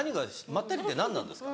まったりって何なんですか？